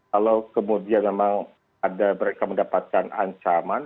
kalau kemudian memang ada mereka mendapatkan ancaman